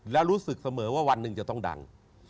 แล้วรู้สึกเสมอว่าวันหนึ่งจะต้องดัง